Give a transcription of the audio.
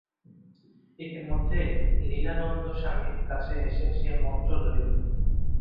ইতিমধ্যে লীলানন্দস্বামীর কাছে সে মন্ত্র লইল।